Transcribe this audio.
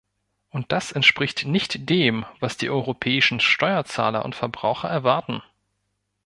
Und das entspricht nicht dem, was die europäischen Steuerzahler und Verbraucher erwarten.